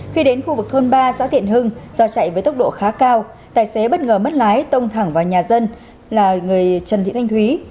khi đến khu vực thôn ba xã tiện hưng do chạy với tốc độ khá cao tài xế bất ngờ mất lái tông thẳng vào nhà dân là người trần thị thanh thúy